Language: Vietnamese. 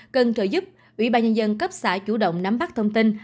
cần trợ giúp ủy ban nhân dân cấp xã chủ động nắm bắt thông tin